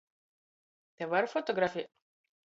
Te var fotografēt?